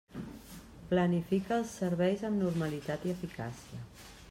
Planifica els serveis amb normalitat i eficàcia.